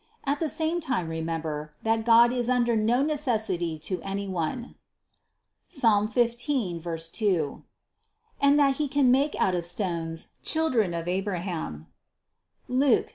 At the same time remember, that God is under no necessity to any one (Ps. 15, 2) and that He can make out of stones, children of Abraham (Luc.